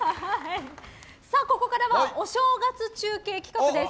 ここからはお正月中継企画です。